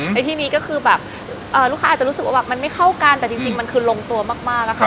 ในที่นี้ก็คือแบบลูกค้าอาจจะรู้สึกว่าแบบมันไม่เข้ากันแต่จริงมันคือลงตัวมากอะค่ะ